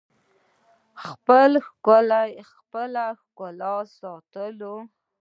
خپل ښکار ستايلو .